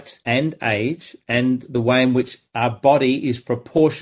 dan cara dalam mana tubuh kita berproporsi